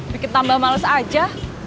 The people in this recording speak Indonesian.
bikin tambah males aja